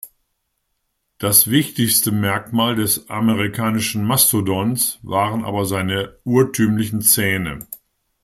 Das wichtigste Merkmal des Amerikanischen Mastodons waren aber seine urtümlichen Zähne.